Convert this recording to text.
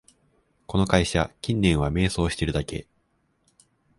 この会社、近年は迷走してるだけ